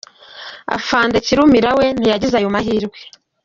Afande Kirumira we ntiyagize ayo mahirwe.